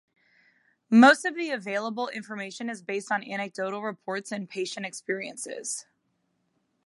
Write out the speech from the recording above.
Most of the available information is based on anecdotal reports and patient experiences.